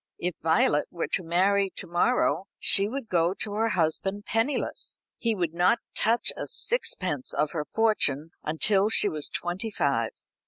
If Violet were to marry to morrow, she would go to her husband penniless. He would not touch a sixpence of her fortune until she was twenty five.